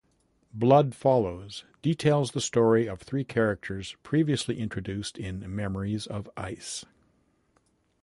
"Blood Follows" details the story of three characters previously introduced in "Memories of Ice".